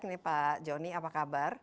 ini pak joni apa kabar